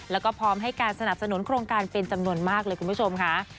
แล้วก็พร้อมให้การสนับสนุนโครงการเป็นจำนวนมากเลยคุณผู้ชมค่ะ